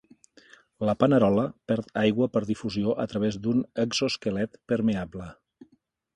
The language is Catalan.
La panerola perd aigua per difusió a través d'un exosquelet permeable.